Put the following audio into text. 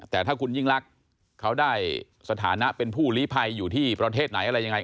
แต่ถ้าคุณยิ่งลักษณ์เขาได้สถานะเป็นผู้ลีภัยอยู่ที่ประเทศไหนอะไรยังไง